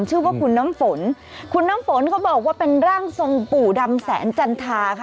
ชื่อว่าคุณน้ำฝนคุณน้ำฝนเขาบอกว่าเป็นร่างทรงปู่ดำแสนจันทาค่ะ